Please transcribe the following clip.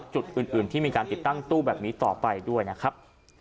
จุดอื่นที่มีการติดตั้งตู้แบบนี้ต่อไปด้วยนะครับ